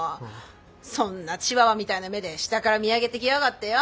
そんなチワワみたいな目で下から見上げてきやがってよ。